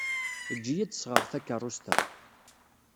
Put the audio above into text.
Ejj-iyi ad d-sɣeɣ takeṛṛust-a.